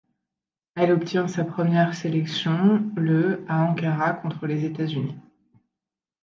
Elle obtient sa première sélection le à Ankara contre les États-Unis.